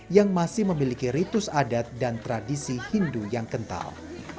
yang masih memiliki ritus adat dan tradisi hindu yang kental